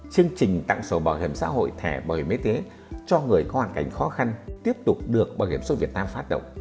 chương trình tặng sổ bảo hiểm xã hội thẻ bảo hiểm y tế cho người có hoàn cảnh khó khăn tiếp tục được bảo hiểm xã hội việt nam phát động